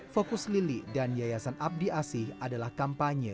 fokus lili dan yayasan abdi asih adalah kampanye